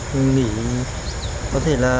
mình nghĩ có thể là